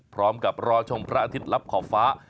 พร้อมกับรอชมพระอาทิตย์ลับขอบฟ้า